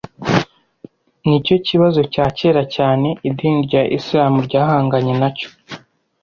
ni cyo kibazo cya kera cyane idini rya Isilamu ryahanganye na cyo